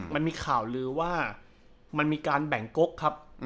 มันมีข่าวลือว่ามันมีการแบ่งก๊กครับ